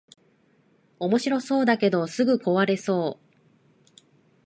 おもしろそうだけどすぐ壊れそう